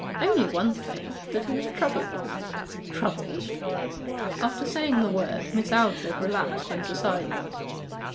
'Only one thing that he was troubled,' 'Troubled!' After saying the word, Miss Aldclyffe relapsed into silence.